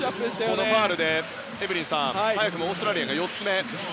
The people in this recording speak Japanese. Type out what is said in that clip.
このファウルでエブリンさん早くもオーストラリアが４つ目。